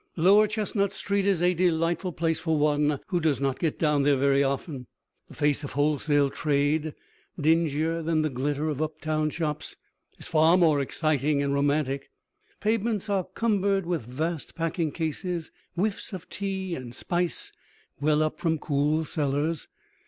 Lower Chestnut Street is a delightful place for one who does not get down there very often. The face of wholesale trade, dingier than the glitter of uptown shops, is far more exciting and romantic. Pavements are cumbered with vast packing cases; whiffs of tea and spice well up from cool cellars.